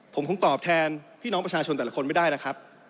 ผมคงตอบแทนพี่น้องประชาชนแต่ละคนไม่ได้นะครับ